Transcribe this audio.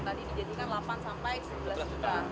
tadi dijadikan delapan sampai sebelas juta